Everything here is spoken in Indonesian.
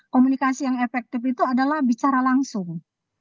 komunikasi yang efektif itu adalah bicara langsung